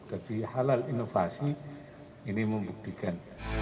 tapi halal inovasi ini membuktikan